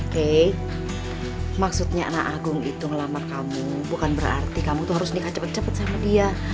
key maksudnya anak agung itu ngelamar kamu bukan berarti kamu tuh harus nikah cepat cepat sama dia